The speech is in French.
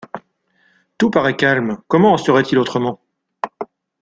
Tout parait calme, comment en serait-il autrement?